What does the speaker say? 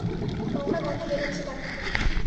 নোংরা গন্ধ বের হচ্ছে গা থেকে!